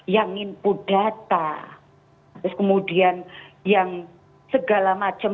yang input data terus kemudian yang segala macam